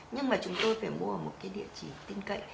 nhưng mà chúng tôi phải mua ở một cái địa chỉ tin cậy